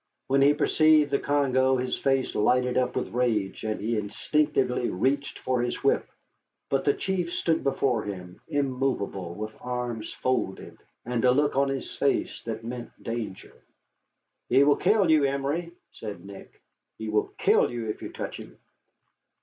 When he perceived the Congo his face lighted up with rage, and he instinctively reached for his whip. But the chief stood before him, immovable, with arms folded, and a look on his face that meant danger. "He will kill you, Emory," said Nick; "he will kill you if you touch him."